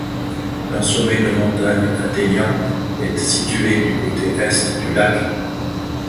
Un sommet de montagne atteignant est situé du côté Est du lac.